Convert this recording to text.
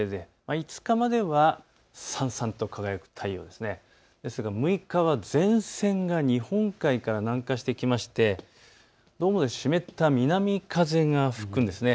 ５日までは、さんさんと輝く太陽、ですが６日は前線が日本海から南下してきてどうも湿った南風が吹くんです。